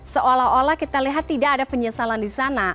seolah olah kita lihat tidak ada penyesalan di sana